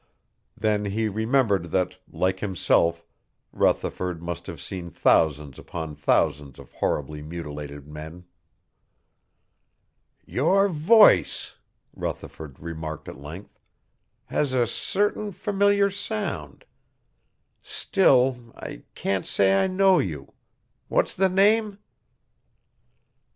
Then he remembered that, like himself, Rutherford must have seen thousands upon thousands of horribly mutilated men. "Your voice," Rutherford remarked at length, "has a certain familiar sound. Still, I can't say I know you. What's the name?"